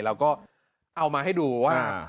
เราก็เอามาให้ดูว่า